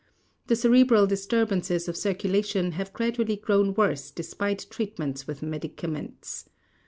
The cerebral disturbances of circulation have gradually grown worse despite treatments with medicaments.